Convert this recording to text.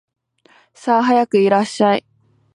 さあ、早くいらっしゃい